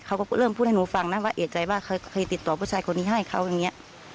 เขาก็เริ่มพูดให้หนูฟังนะว่าเอกใจว่าเคยติดต่อผู้ชายคนนี้ให้เขาอย่างนี้